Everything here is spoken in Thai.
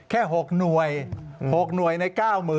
แค่๖หน่วย๖หน่วยใน๙๐๐